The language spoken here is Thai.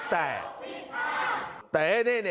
แต่นี่นะ